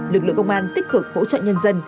lực lượng công an tích cực hỗ trợ nhân dân